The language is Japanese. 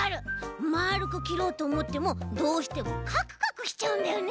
まるくきろうとおもってもどうしてもカクカクしちゃうんだよね。